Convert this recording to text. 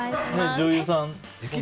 女優さん。